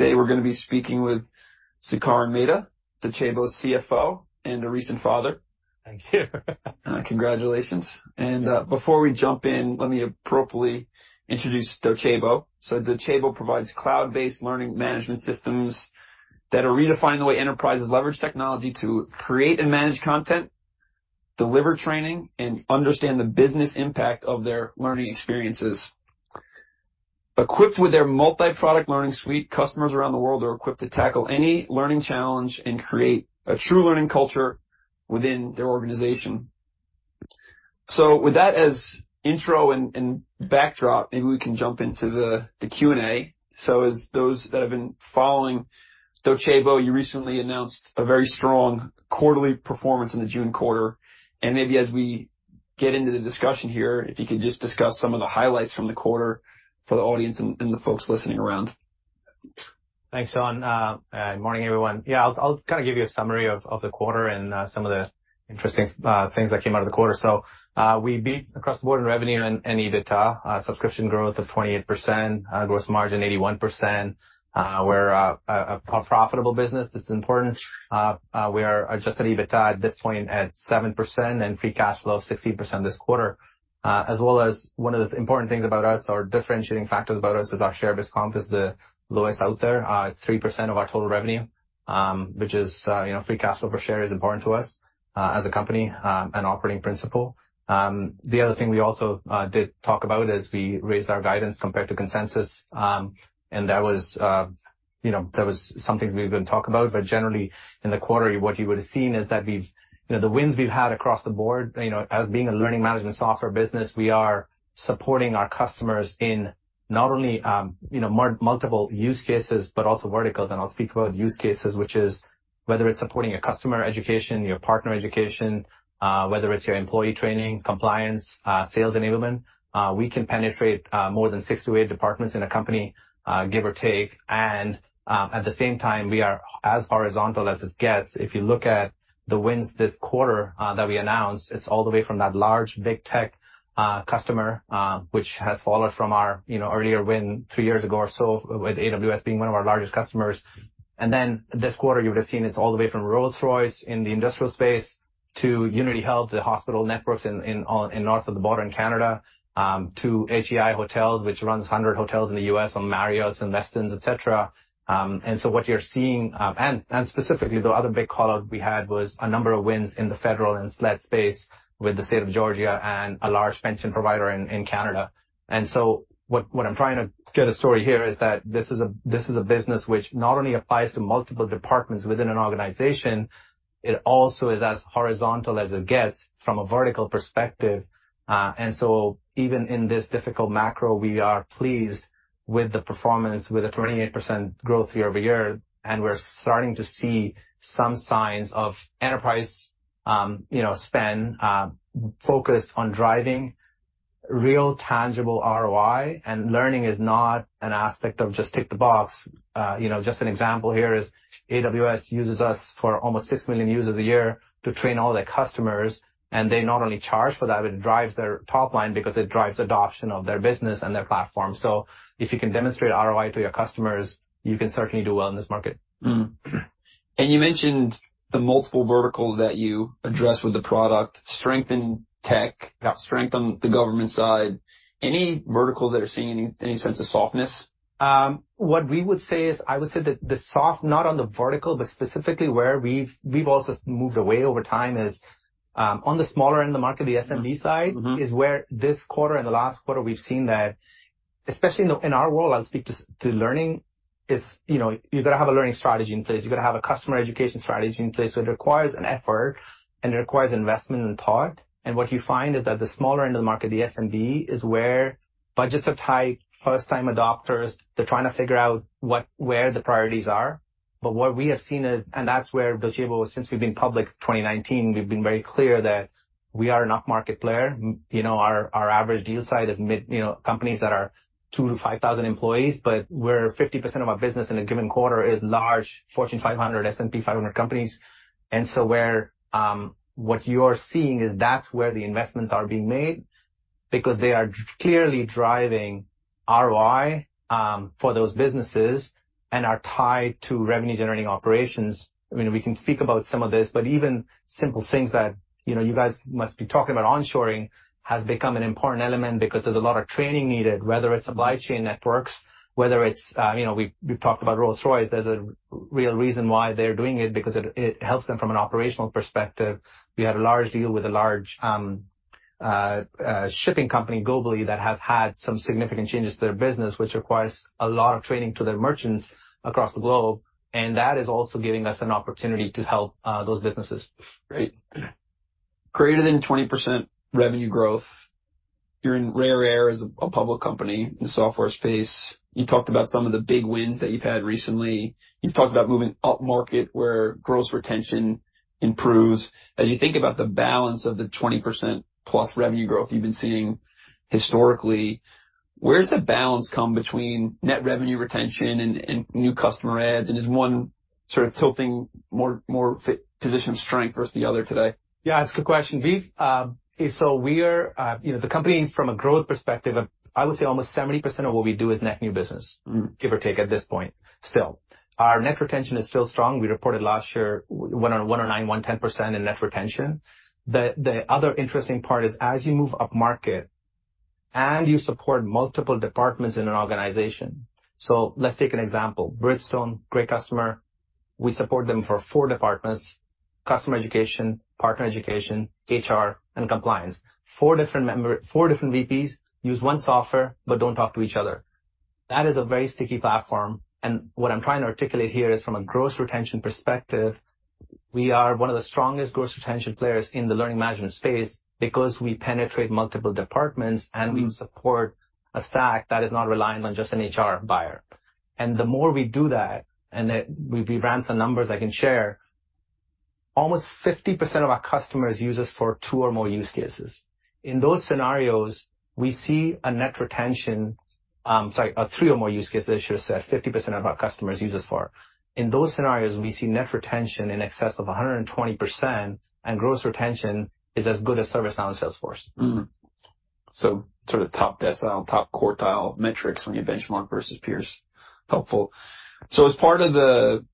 Today, we're gonna be speaking with Sukaran Mehta, Docebo's CFO, and a recent father. Thank you. Congratulations. And, before we jump in, let me appropriately introduce Docebo. So Docebo provides cloud-based learning management systems that are redefining the way enterprises leverage technology to create and manage content, deliver training, and understand the business impact of their learning experiences. Equipped with their multi-product learning suite, customers around the world are equipped to tackle any learning challenge and create a true learning culture within their organization. So with that as intro and backdrop, maybe we can jump into the Q&A. So as those that have been following Docebo, you recently announced a very strong quarterly performance in the June quarter. And maybe as we get into the discussion here, if you could just discuss some of the highlights from the quarter for the audience and the folks listening around. Thanks, Sean. Morning, everyone. Yeah, I'll kind of give you a summary of the quarter and some of the interesting things that came out of the quarter. So, we beat across the board in revenue and EBITDA. Subscription growth of 28%, gross margin 81%. We're a profitable business. This is important. We are just at EBITDA at this point at 7%, and free cash flow of 16% this quarter. As well as one of the important things about us or differentiating factors about us, is our share-based comp is the lowest out there. It's 3% of our total revenue, which is, you know, free cash flow per share is important to us, as a company, and operating principle. The other thing we also did talk about is we raised our guidance compared to consensus. And that was, you know, that was something we're gonna talk about. But generally, in the quarter, what you would have seen is that we've... You know, the wins we've had across the board, you know, as being a learning management software business, we are supporting our customers in not only, you know, multiple use cases, but also verticals. And I'll speak about use cases, which is whether it's supporting your customer education, your partner education, whether it's your employee training, compliance, sales enablement. We can penetrate more than six to eight departments in a company, give or take, and at the same time, we are as horizontal as it gets. If you look at the wins this quarter that we announced, it's all the way from that large big tech customer, which has followed from our, you know, earlier win three years ago or so, with AWS being one of our largest customers. And then this quarter, you would have seen us all the way from Rolls-Royce in the industrial space to Unity Health Toronto, the hospital networks in north of the border in Canada, to HEI Hotels, which runs 100 hotels in the US, on Marriotts and Westins, etc. And so what you're seeing... And specifically, the other big call-out we had was a number of wins in the federal and SLED space with the State of Georgia and a large pension provider in Canada. What I'm trying to get a story here is that this is a business which not only applies to multiple departments within an organization. It also is as horizontal as it gets from a vertical perspective. Even in this difficult macro, we are pleased with the performance, with 28% growth year-over-year, and we're starting to see some signs of enterprise, you know, spend focused on driving real, tangible ROI. Learning is not an aspect of just tick the box. You know, just an example here is AWS uses us for almost 6 million users a year to train all their customers, and they not only charge for that, but it drives their top line because it drives adoption of their business and their platform. If you can demonstrate ROI to your customers, you can certainly do well in this market. Mm-hmm. And you mentioned the multiple verticals that you address with the product, strength in tech- Yep. Strength on the government side. Any verticals that are seeing any sense of softness? What we would say is... I would say that the soft, not on the vertical, but specifically where we've also moved away over time, is on the smaller end of the market, the SMB side. Mm-hmm. is where this quarter and the last quarter, we've seen that especially in our world. I'll speak to learning: you know, you've got to have a learning strategy in place. You've got to have a customer education strategy in place. So it requires an effort, and it requires investment and thought. And what you find is that the smaller end of the market, the SMB, is where budgets are tight. First-time adopters, they're trying to figure out what, where the priorities are. But what we have seen is, and that's where Docebo, since we've been public, 2019, we've been very clear that we are an upmarket player. You know, our average deal size is mid, you know, companies that are 2,000-5,000 employees, but where 50% of our business in a given quarter is large Fortune 500, S&P 500 companies. And so what you're seeing is that's where the investments are being made, because they are clearly driving ROI for those businesses and are tied to revenue-generating operations. I mean, we can speak about some of this, but even simple things that, you know, you guys must be talking about, onshoring, has become an important element because there's a lot of training needed, whether it's supply chain networks, whether it's. You know, we've talked about Rolls-Royce. There's a real reason why they're doing it, because it helps them from an operational perspective. We had a large deal with a large shipping company globally that has had some significant changes to their business, which requires a lot of training to their merchants across the globe, and that is also giving us an opportunity to help those businesses. Great. Greater than 20% revenue growth. You're in rare air as a public company in the software space. You talked about some of the big wins that you've had recently. You've talked about moving upmarket, where gross retention improves. As you think about the balance of the 20%+ revenue growth you've been seeing historically, where does the balance come between net revenue retention and new customer adds, and is one sort of tilting more position strength versus the other today? Yeah, that's a good question, Viv. So we are, you know, the company from a growth perspective, I would say almost 70% of what we do is net new business. Mm-hmm. Give or take, at this point, still. Our net retention is still strong. We reported last year 109-110% in net retention. The other interesting part is as you move up market and you support multiple departments in an organization. So let's take an example. Bridgestone, great customer. We support them for four departments: customer education, partner education, HR, and compliance. Four different VPs use one software but don't talk to each other. That is a very sticky platform, and what I'm trying to articulate here is, from a gross retention perspective, we are one of the strongest gross retention players in the learning management space because we penetrate multiple departments, and we support a stack that is not reliant on just an HR buyer. The more we do that, we ran some numbers I can share, almost 50% of our customers use us for two or more use cases. In those scenarios, we see a net retention, three or more use cases, I should have said, 50% of our customers use us for. In those scenarios, we see net retention in excess of 120%, and gross retention is as good as ServiceNow and Salesforce. Mm-hmm. So sort of top decile, top quartile metrics when you benchmark versus peers. Helpful. So as part of the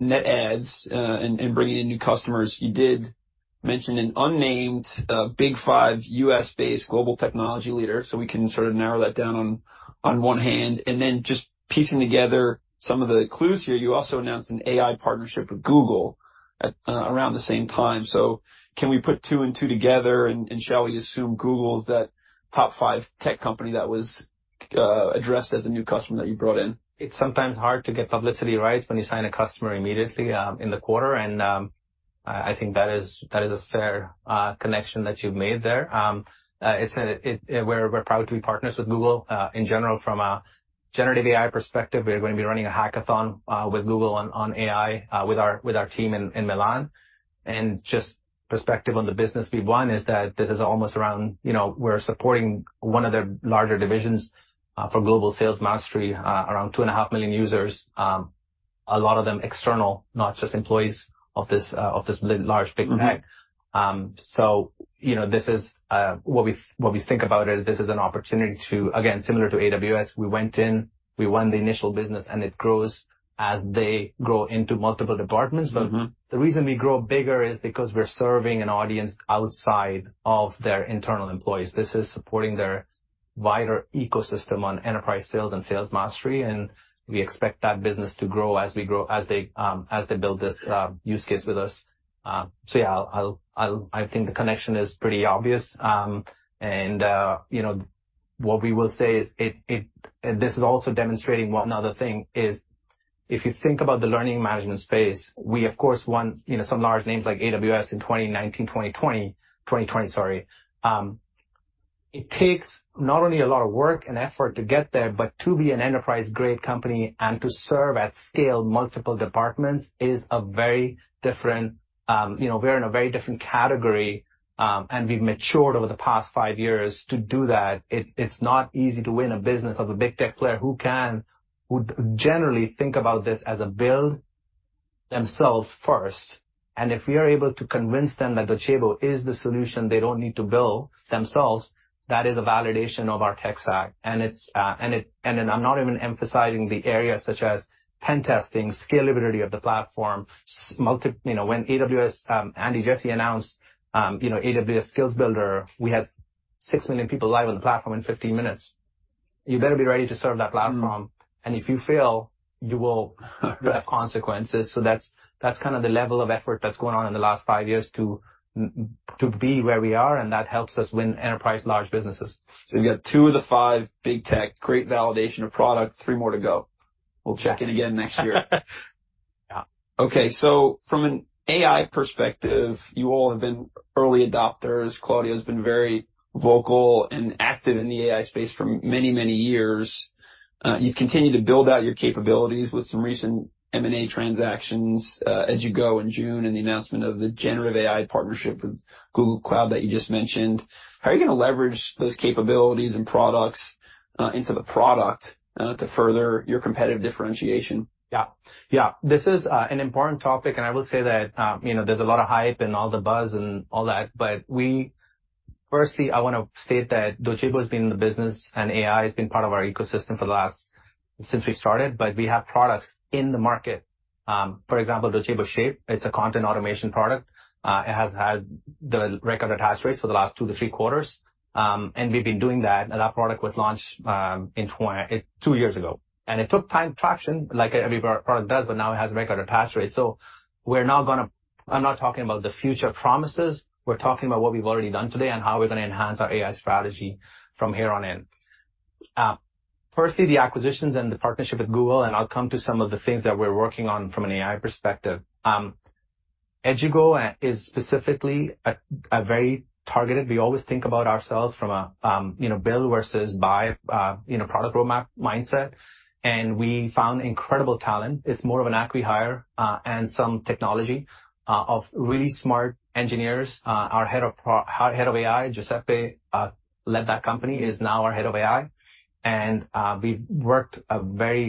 net adds, and bringing in new customers, you did mention an unnamed Big Five U.S.-based global technology leader, so we can sort of narrow that down on one hand, and then just piecing together some of the clues here, you also announced an AI partnership with Google at around the same time. So can we put two and two together, and shall we assume Google's that top five tech company that was addressed as a new customer that you brought in? It's sometimes hard to get publicity rights when you sign a customer immediately in the quarter, and I think that is a fair connection that you've made there. It's a... It- we're proud to be partners with Google. In general, from a generative AI perspective, we're going to be running a hackathon with Google on AI with our team in Milan. And just perspective on the business, Viv, one is that this is almost around, you know, we're supporting one of their larger divisions for global sales mastery around 2.5 million users. A lot of them external, not just employees of this of this large big tech. Mm-hmm. So, you know, this is what we think about it. This is an opportunity to, again, similar to AWS, we went in, we won the initial business, and it grows as they grow into multiple departments. Mm-hmm. But the reason we grow bigger is because we're serving an audience outside of their internal employees. This is supporting their wider ecosystem on enterprise sales and sales mastery, and we expect that business to grow as we grow as they build this use case with us. So yeah, I think the connection is pretty obvious. And you know, what we will say is, this is also demonstrating one other thing, is if you think about the learning management space, we, of course, won, you know, some large names like AWS in 2019, 2020. 2020, sorry. It takes not only a lot of work and effort to get there, but to be an enterprise-grade company and to serve at scale multiple departments is a very different. You know, we're in a very different category, and we've matured over the past five years to do that. It, it's not easy to win a business of a big tech player who can, would generally think about this as a build themselves first, and if we are able to convince them that Docebo is the solution, they don't need to build themselves, that is a validation of our tech stack. And it's, and it. And then I'm not even emphasizing the areas such as pen testing, scalability of the platform, you know, when AWS, Andy Jassy announced, you know, AWS Skill Builder, we had 6 million people live on the platform in 15 minutes. You better be ready to serve that platform. Mm. And if you fail, you will- Right. have consequences. So that's, that's kind of the level of effort that's going on in the last five years to to be where we are, and that helps us win enterprise large businesses. You've got 2 of the 5 big tech, great validation of product, 3 more to go. We'll check in again next year. Yeah. Okay, so from an AI perspective, you all have been early adopters. Claudio's been very vocal and active in the AI space for many, many years. You've continued to build out your capabilities with some recent M&A transactions, as you go in June, and the announcement of the generative AI partnership with Google Cloud that you just mentioned. How are you gonna leverage those capabilities and products, into the product, to further your competitive differentiation? Yeah. Yeah, this is an important topic, and I will say that, you know, there's a lot of hype and all the buzz and all that, but we... Firstly, I wanna state that Docebo's been in the business, and AI has been part of our ecosystem for the last... Since we started, but we have products in the market. For example, Docebo Shape, it's a content automation product. It has had the record attach rates for the last 2-3 quarters. And we've been doing that, and that product was launched 2 years ago, and it took time, traction, like every product does, but now it has a record attach rate. So we're not gonna... I'm not talking about the future promises. We're talking about what we've already done today and how we're gonna enhance our AI strategy from here on in. Firstly, the acquisitions and the partnership with Google, and I'll come to some of the things that we're working on from an AI perspective. Edugo is specifically a very targeted. We always think about ourselves from a you know, build versus buy, you know, product roadmap mindset, and we found incredible talent. It's more of an acqui-hire, and some technology of really smart engineers. Our head of AI, Giuseppe, led that company, is now our head of AI. We've worked a very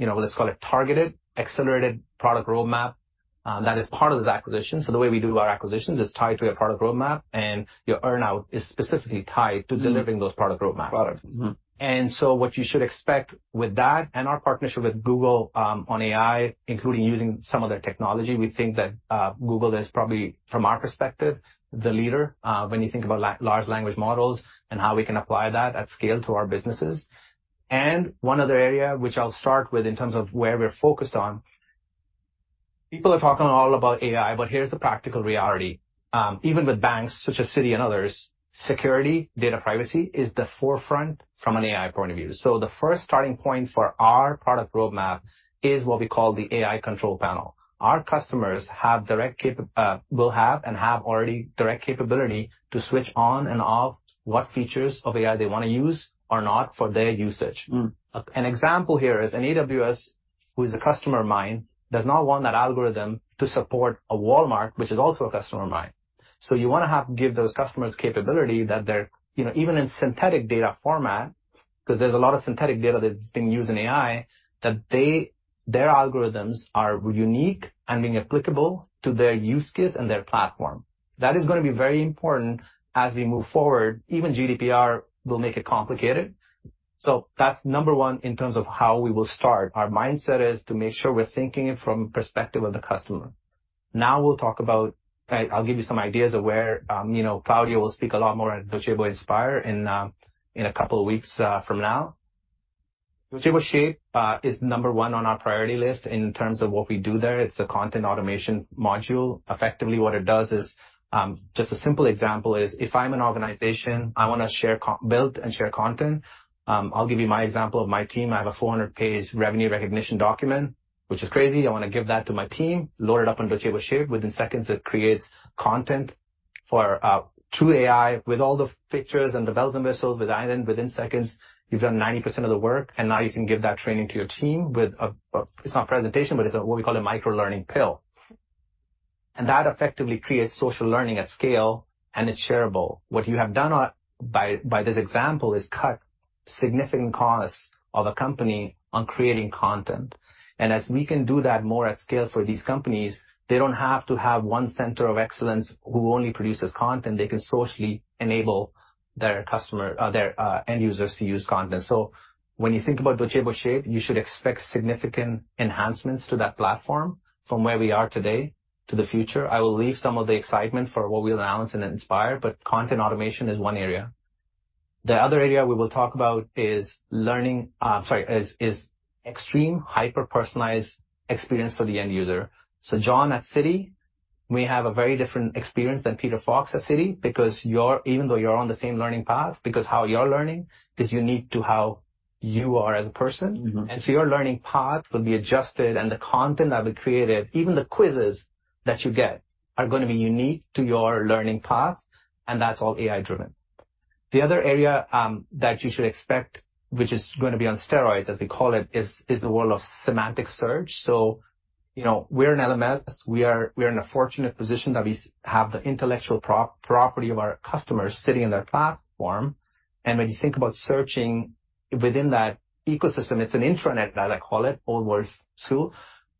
you know, let's call it targeted, accelerated product roadmap that is part of this acquisition. The way we do our acquisitions is tied to a product roadmap, and your earn-out is specifically tied to delivering those product roadmaps. Products. Mm-hmm. And so what you should expect with that and our partnership with Google, on AI, including using some of their technology, we think that, Google is probably, from our perspective, the leader, when you think about large language models and how we can apply that at scale to our businesses. And one other area which I'll start with in terms of where we're focused on, people are talking all about AI, but here's the practical reality. Even with banks such as Citi and others, security, data privacy is the forefront from an AI point of view. So the first starting point for our product roadmap is what we call the AI Control Panel. Our customers will have and have already direct capability to switch on and off what features of AI they wanna use or not for their usage. Mm. An example here is AWS, who is a customer of mine, does not want that algorithm to support a Walmart, which is also a customer of mine. So you wanna have give those customers capability that they're, you know, even in synthetic data format, 'cause there's a lot of synthetic data that's being used in AI, that their algorithms are unique and being applicable to their use case and their platform. That is gonna be very important as we move forward. Even GDPR will make it complicated. So that's number one in terms of how we will start. Our mindset is to make sure we're thinking it from perspective of the customer. Now we'll talk about... I'll give you some ideas of where, you know, Claudio will speak a lot more at Docebo Inspire in a couple of weeks from now. Docebo Shape is number one on our priority list in terms of what we do there. It's a content automation module. Effectively, what it does is just a simple example is, if I'm an organization, I wanna build and share content. I'll give you my example of my team. I have a 400-page revenue recognition document, which is crazy. I wanna give that to my team, load it up on Docebo Shape. Within seconds, it creates content through AI with all the pictures and the bells and whistles. Within seconds, you've done 90% of the work, and now you can give that training to your team with a. It's not a presentation, but it's a what we call a micro-learning Pill. And that effectively creates social learning at scale, and it's shareable. What you have done by this example is cut significant costs of a company on creating content. And as we can do that more at scale for these companies, they don't have to have one center of excellence who only produces content. They can socially enable their customer, their end users to use content. So when you think about Docebo Shape, you should expect significant enhancements to that platform from where we are today to the future. I will leave some of the excitement for what we'll announce in Inspire, but content automation is one area. The other area we will talk about is extreme hyper-personalized experience for the end user. John, at Citi, we have a very different experience than Peter Fox at Citi because you're even though you're on the same learning path, because how you're learning is unique to how you are as a person. Mm-hmm. So your learning path will be adjusted, and the content that we created, even the quizzes that you get, are gonna be unique to your learning path, and that's all AI-driven. The other area that you should expect, which is gonna be on steroids, as we call it, is the world of semantic search. So, you know, we're an LMS. We are in a fortunate position that we have the intellectual property of our customers sitting in their platform. And when you think about searching within that ecosystem, it's an intranet, as I call it, old world too.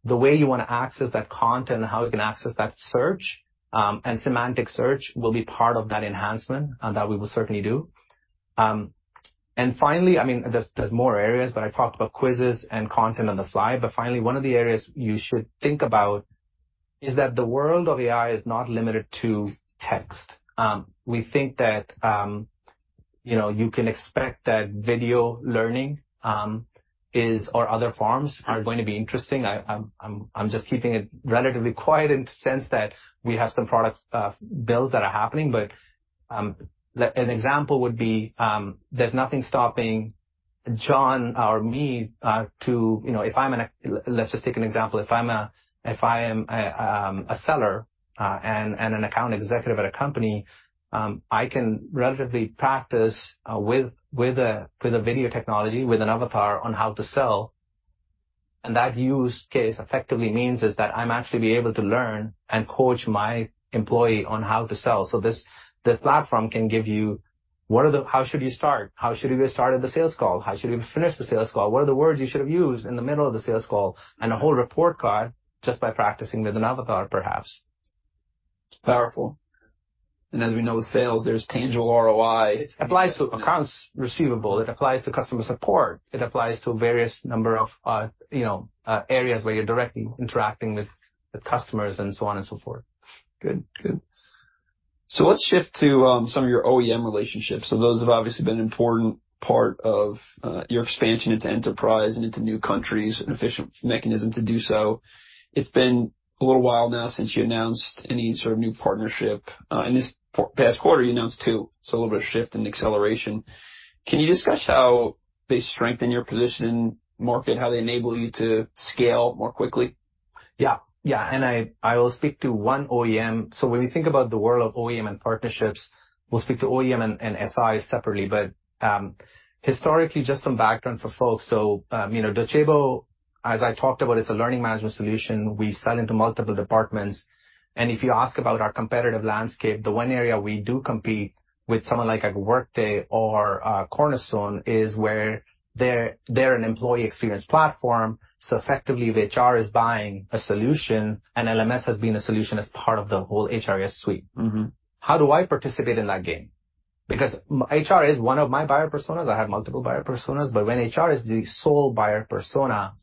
The way you wanna access that content and how you can access that search, and semantic search will be part of that enhancement, and that we will certainly do. And finally... I mean, there's more areas, but I talked about quizzes and content on the fly. But finally, one of the areas you should think about is that the world of AI is not limited to text. We think that, you know, you can expect that video learning is or other forms are going to be interesting. I'm just keeping it relatively quiet in the sense that we have some product builds that are happening. But an example would be, there's nothing stopping John or me to... You know, if I'm... Let's just take an example. If I am a seller and an account executive at a company, I can relatively practice with a video technology, with an avatar on how to sell. That use case effectively means is that I'm actually be able to learn and coach my employee on how to sell. So this, this platform can give you what are the - how should you start? How should you have started the sales call? How should you finish the sales call? What are the words you should have used in the middle of the sales call? And a whole report card just by practicing with an avatar, perhaps. It's powerful. As we know, with sales, there's tangible ROI. It applies to accounts receivable, it applies to customer support, it applies to various number of, you know, areas where you're directly interacting with customers and so on and so forth. Good. Good. So let's shift to some of your OEM relationships. So those have obviously been an important part of your expansion into enterprise and into new countries, an efficient mechanism to do so. It's been a little while now since you announced any sort of new partnership. In this past quarter, you announced two, so a little bit of shift in acceleration. Can you discuss how they strengthen your position in market, how they enable you to scale more quickly? Yeah. Yeah, and I will speak to one OEM. So when we think about the world of OEM and partnerships, we'll speak to OEM and SI separately. But historically, just some background for folks. So you know, Docebo, as I talked about, is a learning management solution. We sell into multiple departments, and if you ask about our competitive landscape, the one area we do compete with someone like a Workday or Cornerstone is where they're an employee experience platform. So effectively, the HR is buying a solution, and LMS has been a solution as part of the whole HRIS suite. Mm-hmm. How do I participate in that game? Because HR is one of my buyer personas. I have multiple buyer personas, but when HR is the sole buyer persona,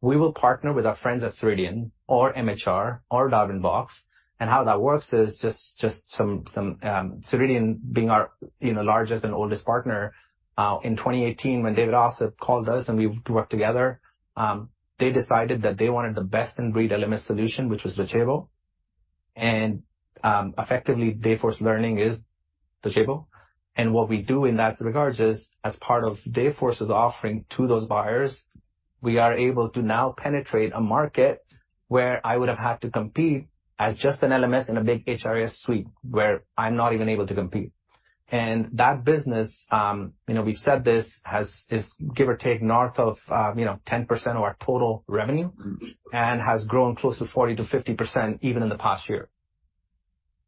we will partner with our friends at Ceridian or MHR or Darwinbox. And how that works is just some. Ceridian being our, you know, largest and oldest partner, in 2018, when David Ossip called us, and we worked together, they decided that they wanted the best-in-breed LMS solution, which was Docebo. And, effectively, Salesforce Learning is Docebo. And what we do in that regards is, as part of Salesforce's offering to those buyers, we are able to now penetrate a market where I would have had to compete as just an LMS in a big HRS suite, where I'm not even able to compete. And that business, you know, we've said this, has, is give or take, north of, you know, 10% of our total revenue, and has grown close to 40%-50% even in the past year.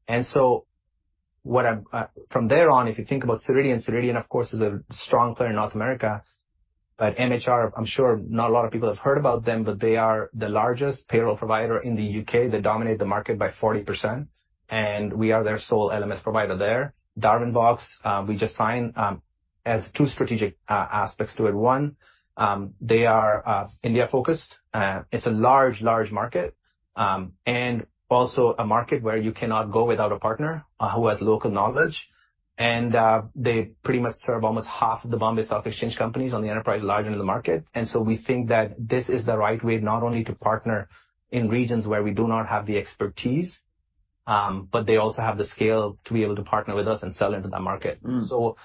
From there on, if you think about Ceridian, Ceridian, of course, is a strong player in North America, but MHR, I'm sure not a lot of people have heard about them, but they are the largest payroll provider in the U.K. They dominate the market by 40%, and we are their sole LMS provider there. Darwinbox, we just signed, has two strategic aspects to it. One, they are India-focused. It's a large, large market, and also a market where you cannot go without a partner who has local knowledge. They pretty much serve almost half of the Bombay Stock Exchange companies on the enterprise large end of the market. So we think that this is the right way, not only to partner in regions where we do not have the expertise, but they also have the scale to be able to partner with us and sell into that market. Mm. So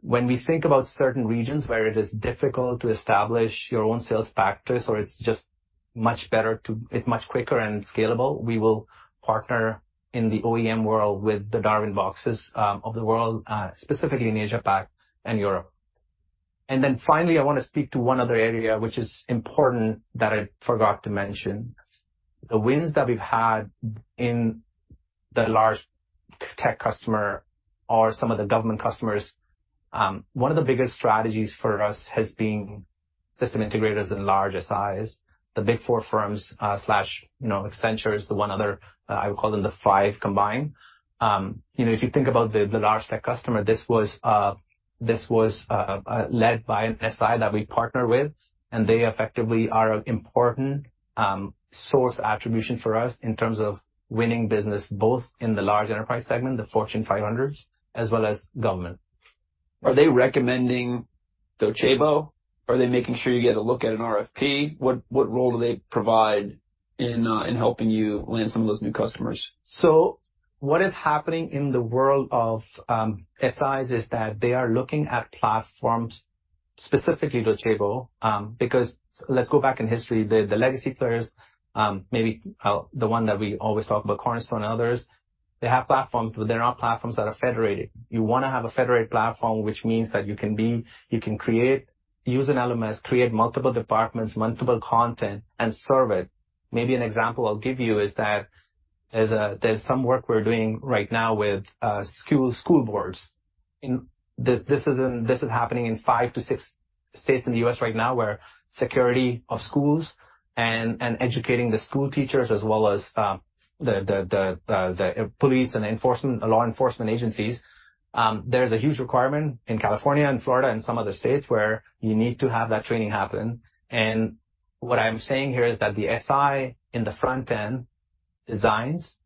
when we think about certain regions where it is difficult to establish your own sales practice or it's just much better. It's much quicker and scalable, we will partner in the OEM world with the Darwinboxes of the world, specifically in Asia Pac and Europe. Then finally, I wanna speak to one other area, which is important, that I forgot to mention. The wins that we've had in the large tech customer or some of the government customers, one of the biggest strategies for us has been system integrators in large SIs. The big four firms, slash, you know, Accenture is the one other, I would call them the five combined. You know, if you think about the large tech customer, this was led by an SI that we partner with, and they effectively are an important source attribution for us in terms of winning business, both in the large enterprise segment, the Fortune 500s, as well as government. Are they recommending Docebo? Are they making sure you get a look at an RFP? What, what role do they provide in, in helping you land some of those new customers? What is happening in the world of SIs is that they are looking at platforms, specifically Docebo, because let's go back in history. The legacy players, maybe the one that we always talk about, Cornerstone and others, they have platforms, but they're not platforms that are federated. You want to have a federated platform, which means that you can be-- you can create, use an LMS, create multiple departments, multiple content, and serve it. Maybe an example I'll give you is that there's some work we're doing right now with school boards. This is happening in five to six states in the U.S. right now, where security of schools and educating the school teachers, as well as the police and law enforcement agencies. There's a huge requirement in California and Florida and some other states where you need to have that training happen. What I'm saying here is that the SI in the front-end designs,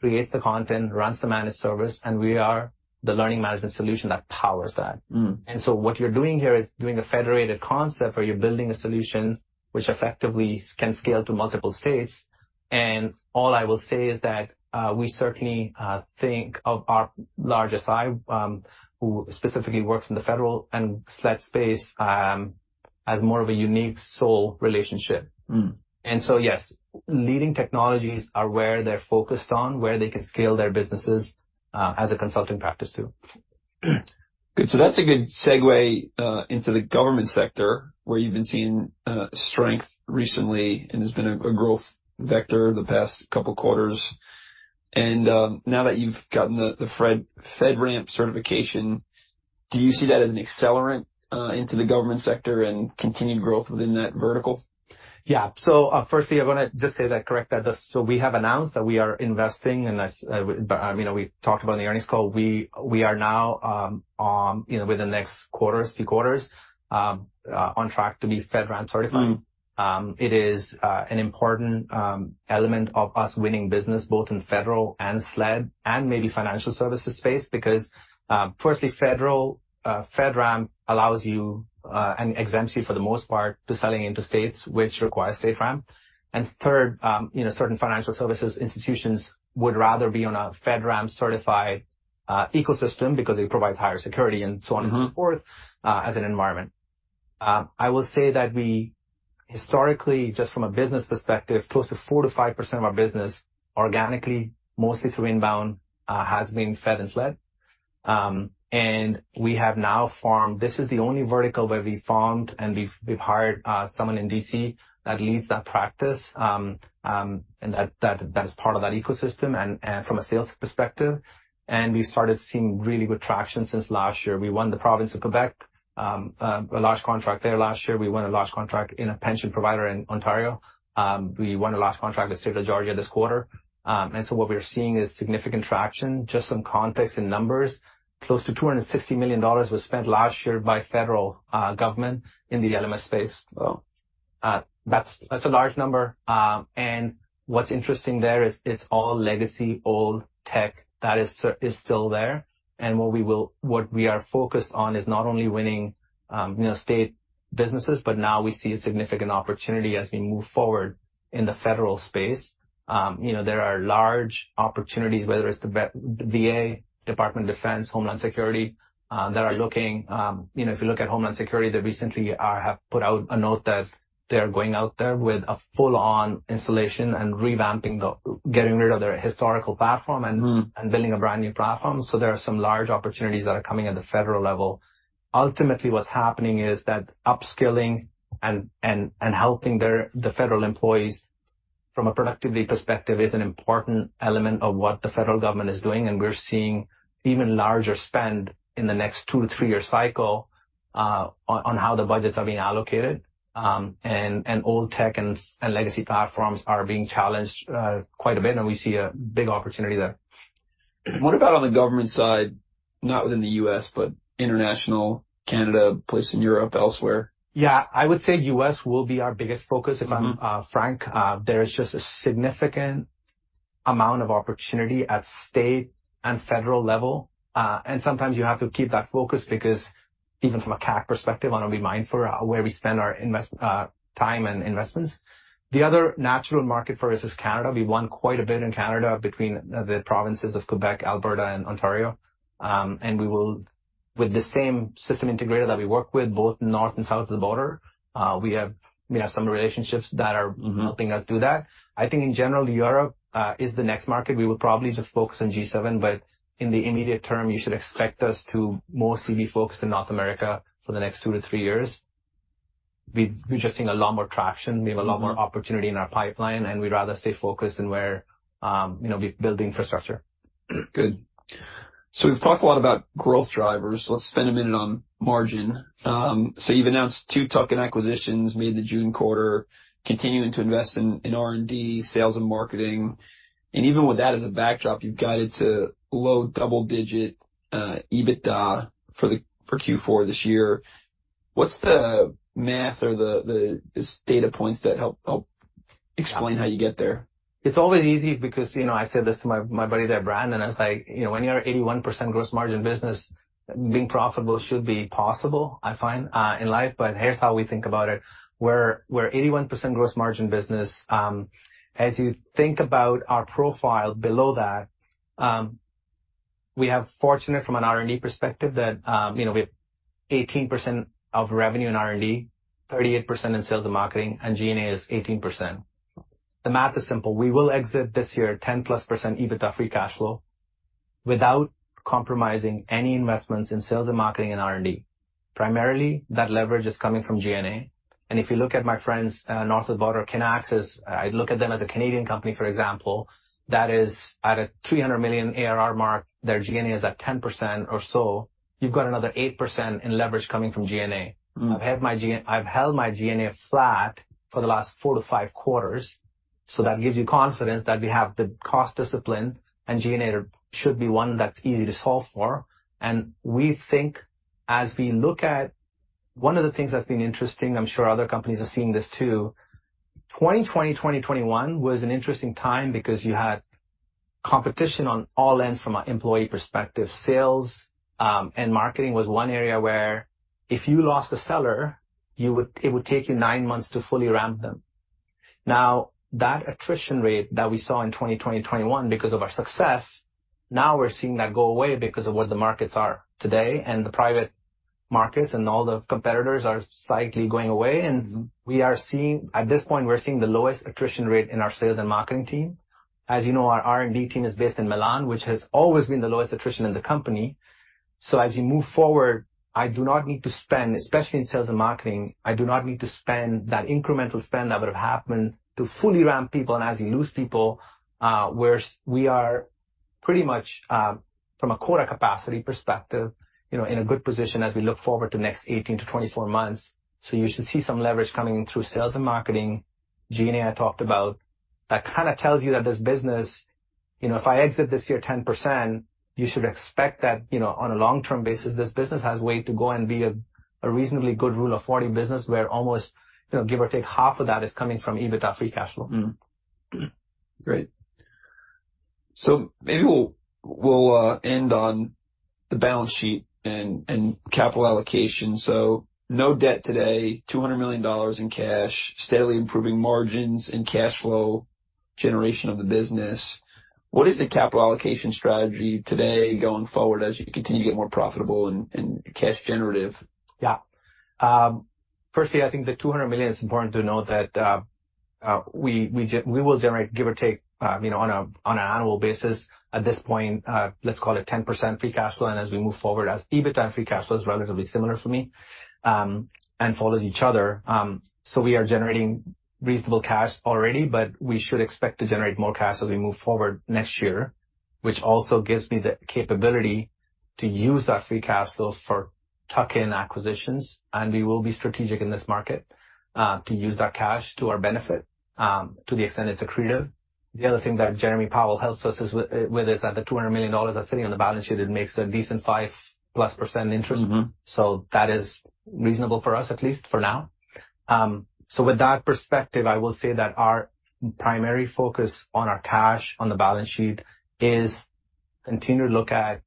creates the content, runs the managed service, and we are the learning management solution that powers that. Mm. And so what you're doing here is doing a federated concept where you're building a solution which effectively can scale to multiple states. And all I will say is that, we certainly think of our large SI, who specifically works in the federal and SLED space, as more of a unique sole relationship. Mm. And so, yes, leading technologies are where they're focused on, where they can scale their businesses, as a consulting practice, too. Good. So that's a good segue into the government sector, where you've been seeing strength recently, and there's been a growth vector the past couple quarters. Now that you've gotten the FedRAMP certification, do you see that as an accelerant into the government sector and continued growth within that vertical? Yeah. So, firstly, I wanna just say that, correct, that the... So we have announced that we are investing, and that's, you know, we talked about in the earnings call. We are now, you know, within the next quarter, three quarters, on track to be FedRAMP certified. Mm. It is an important element of us winning business both in federal and SLED and maybe financial services space, because, firstly, federal, FedRAMP allows you, and exempts you, for the most part, to selling into states which require StateRAMP. And third, you know, certain financial services institutions would rather be on a FedRAMP-certified ecosystem because it provides higher security and so on. Mm-hmm... and so forth, as an environment. I will say that we historically, just from a business perspective, close to 4%-5% of our business, organically, mostly through inbound, has been Fed and SLED. We have now formed... This is the only vertical where we formed, and we've hired someone in D.C. that leads that practice. That is part of that ecosystem and from a sales perspective, and we started seeing really good traction since last year. We won the province of Quebec... a large contract there last year. We won a large contract in a pension provider in Ontario. We won a large contract with the State of Georgia this quarter. So what we're seeing is significant traction. Just some context in numbers, close to $260 million was spent last year by federal government in the LMS space. Wow! That's a large number. And what's interesting there is it's all legacy, old tech that is still there. And what we are focused on is not only winning, you know, state businesses, but now we see a significant opportunity as we move forward in the federal space. You know, there are large opportunities, whether it's the VA, Department of Defense, Homeland Security, that are looking. You know, if you look at Homeland Security, they recently have put out a note that they are going out there with a full-on installation and revamping, getting rid of their historical platform and- Mm. -and building a brand-new platform. So there are some large opportunities that are coming at the federal level. Ultimately, what's happening is that upskilling and helping their federal employees from a productivity perspective is an important element of what the federal government is doing, and we're seeing even larger spend in the next 2-3-year cycle on how the budgets are being allocated. Old tech and legacy platforms are being challenged quite a bit, and we see a big opportunity there. What about on the government side, not within the U.S., but international, Canada, places in Europe, elsewhere? Yeah. I would say U.S. will be our biggest focus- Mm-hmm. If I'm frank. There is just a significant amount of opportunity at state and federal level. And sometimes you have to keep that focus because even from a CAC perspective, want to be mindful of where we spend our investment, time and investments. The other natural market for us is Canada. We've won quite a bit in Canada between the provinces of Quebec, Alberta, and Ontario. And we will... With the same system integrator that we work with, both north and south of the border, we have some relationships that are- Mm-hmm. Helping us do that. I think in general, Europe is the next market. We will probably just focus on G7, but in the immediate term, you should expect us to mostly be focused in North America for the next two to three years. We're just seeing a lot more traction. Mm-hmm. We have a lot more opportunity in our pipeline, and we'd rather stay focused on where, you know, we build the infrastructure. Good. So we've talked a lot about growth drivers. Let's spend a minute on margin. So you've announced two tuck-in acquisitions made in the June quarter, continuing to invest in R&D, sales, and marketing. And even with that as a backdrop, you've guided to low double-digit EBITDA for Q4 this year. What's the math or the data points that help explain how you get there? It's always easy because, you know, I said this to my, my buddy there, Brandon. I was like, "You know, when you're an 81% gross margin business, being profitable should be possible," I find in life. But here's how we think about it. We're, we're an 81% gross margin business. As you think about our profile below that, we're fortunate from an R&D perspective that, you know, we have 18% of revenue in R&D, 38% in sales and marketing, and G&A is 18%. The math is simple: We will exit this year 10+% EBITDA free cash flow without compromising any investments in sales and marketing and R&D. Primarily, that leverage is coming from G&A. If you look at my friends north of the border, Kinaxis, I look at them as a Canadian company, for example, that is at a 300 million ARR mark. Their G&A is at 10% or so. You've got another 8% in leverage coming from G&A. Mm. I've held my G&A flat for the last 4-5 quarters, so that gives you confidence that we have the cost discipline, and G&A should be one that's easy to solve for. And we think as we look at... One of the things that's been interesting, I'm sure other companies are seeing this, too. 2020, 2021 was an interesting time because you had competition on all ends from an employee perspective. Sales and marketing was one area where if you lost a seller, you would, it would take you 9 months to fully ramp them. Now, that attrition rate that we saw in 2020, 2021 because of our success, now we're seeing that go away because of what the markets are today, and the private markets, and all the competitors are slightly going away. Mm-hmm. We are seeing... At this point, we're seeing the lowest attrition rate in our sales and marketing team. As you know, our R&D team is based in Milan, which has always been the lowest attrition in the company. So as you move forward, I do not need to spend, especially in sales and marketing, I do not need to spend that incremental spend that would have happened to fully ramp people and as you lose people, we're—we are pretty much from a quota capacity perspective, you know, in a good position as we look forward to the next 18-24 months. So you should see some leverage coming in through sales and marketing. G&A, I talked about. That kind of tells you that this business, you know, if I exit this year 10%, you should expect that, you know, on a long-term basis, this business has a way to go and be a, a reasonably good Rule of 40 business, where almost, you know, give or take, half of that is coming from EBITDA free cash flow. Mm-hmm. Great. So maybe we'll end on the balance sheet and capital allocation. No debt today, $200 million in cash, steadily improving margins and cash flow generation of the business. What is the capital allocation strategy today going forward, as you continue to get more profitable and cash generative? Yeah. Firstly, I think the $200 million, it's important to note that we will generate, give or take, you know, on an annual basis at this point, let's call it 10% free cash flow. And as we move forward, as EBITDA and free cash flow is relatively similar for me, and follows each other. So we are generating reasonable cash already, but we should expect to generate more cash as we move forward next year. Which also gives me the capability to use that free cash flow for tuck-in acquisitions, and we will be strategic in this market to use that cash to our benefit, to the extent it's accretive. The other thing that Jerome Powell helps us with is that the $200 million that's sitting on the balance sheet. It makes a decent 5%+ interest. Mm-hmm. So that is reasonable for us, at least for now. So with that perspective, I will say that our primary focus on our cash on the balance sheet is continue to look at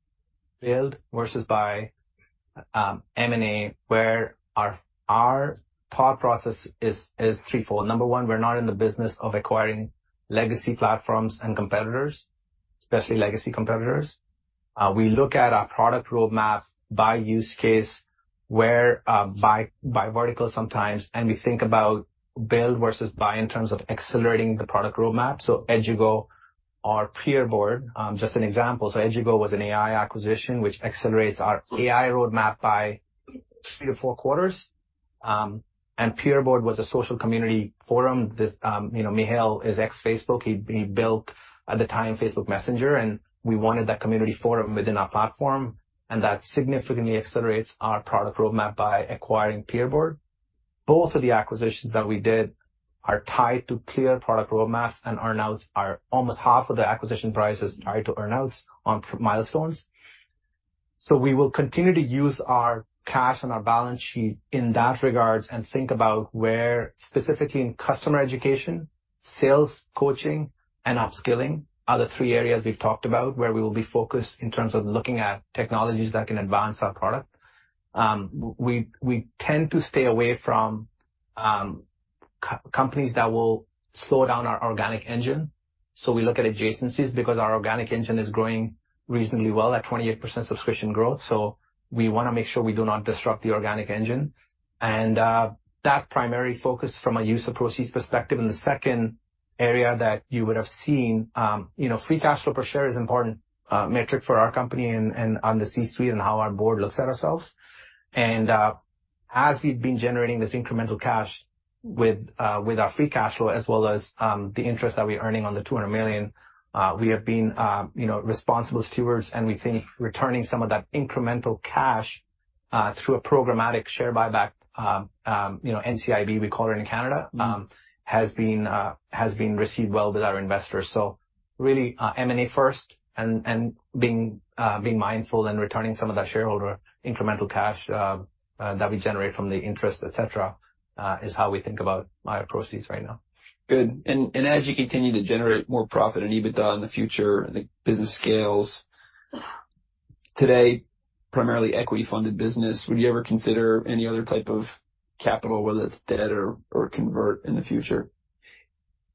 build versus buy, M&A, where our thought process is threefold. Number one, we're not in the business of acquiring legacy platforms and competitors, especially legacy competitors. We look at our product roadmap by use case, where, by vertical sometimes, and we think about build versus buy in terms of accelerating the product roadmap. So Edugo, our PeerBoard, just an example. So Edugo was an AI acquisition, which accelerates our AI roadmap by 3-4 quarters. And PeerBoard was a social community forum. This, you know, Mihail is ex-Facebook. He built, at the time, Facebook Messenger, and we wanted that community forum within our platform, and that significantly accelerates our product roadmap by acquiring PeerBoard. Both of the acquisitions that we did are tied to clear product roadmaps, and earnouts are almost half of the acquisition prices tied to earnouts on milestones. So we will continue to use our cash on our balance sheet in that regards, and think about where specifically in customer education, sales, coaching, and upskilling are the three areas we've talked about, where we will be focused in terms of looking at technologies that can advance our product. We tend to stay away from companies that will slow down our organic engine. So we look at adjacencies because our organic engine is growing reasonably well at 28% subscription growth, so we wanna make sure we do not disrupt the organic engine. And, that primary focus from a use of proceeds perspective, and the second area that you would have seen, you know, free cash flow per share is important, metric for our company and, and on the C-suite, and how our board looks at ourselves. And, as we've been generating this incremental cash with our free cash flow, as well as the interest that we're earning on the $200 million, we have been, you know, responsible stewards, and we think returning some of that incremental cash through a programmatic share buyback, you know, NCIB, we call it in Canada, has been received well with our investors. So really, M&A first and being mindful and returning some of that shareholder incremental cash that we generate from the interest, et cetera, is how we think about my proceeds right now. Good. And as you continue to generate more profit and EBITDA in the future, and the business scales, today, primarily equity-funded business, would you ever consider any other type of capital, whether it's debt or convert in the future?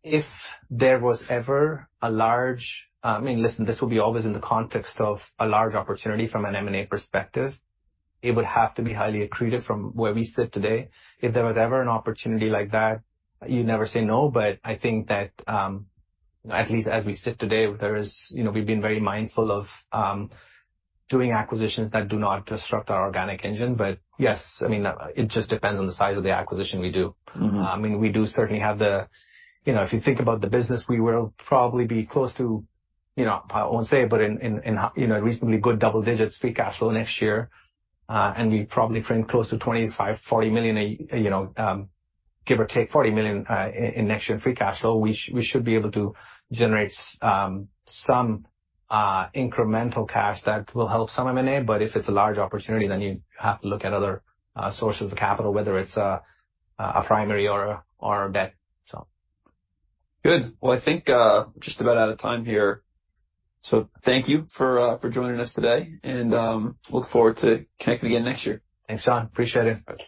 If there was ever a large... I mean, listen, this will be always in the context of a large opportunity from an M&A perspective. It would have to be highly accretive from where we sit today. If there was ever an opportunity like that, you'd never say no, but I think that, at least as we sit today, there is, you know, we've been very mindful of, doing acquisitions that do not disrupt our organic engine. But yes, I mean, it just depends on the size of the acquisition we do. Mm-hmm. I mean, we do certainly have the... You know, if you think about the business, we will probably be close to, you know, I won't say, but in, you know, reasonably good double digits free cash flow next year. And we probably frame close to $25-$40 million, you know, give or take 40 million, in next year free cash flow. We should be able to generate some incremental cash that will help some M&A, but if it's a large opportunity, then you have to look at other sources of capital, whether it's a primary or a debt. Good. Well, I think, we're just about out of time here. So thank you for, for joining us today, and, look forward to connecting again next year. Thanks, Sean. Appreciate it. Bye-bye.